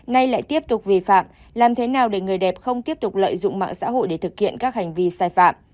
nay lại tiếp tục vi phạm làm thế nào để người đẹp không tiếp tục lợi dụng mạng xã hội để thực hiện các hành vi sai phạm